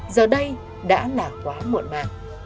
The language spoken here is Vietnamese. giờ đây đã là quá muộn mà